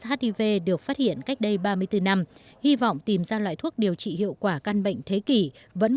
hiv được phát hiện cách đây ba mươi bốn năm hy vọng tìm ra loại thuốc điều trị hiệu quả căn bệnh thế kỷ vẫn